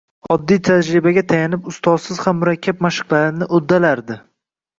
oddiy tajribaga tayanib, ustozsiz ham murakkab mashqlarni uddalardi.